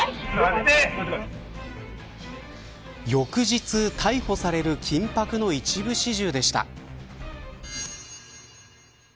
翌日逮捕される緊迫の一部始終でした。